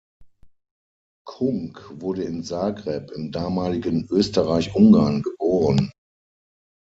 Kunc wurde in Zagreb im damaligen Österreich-Ungarn geboren.